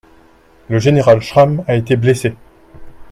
Le général Schramm a été blessé.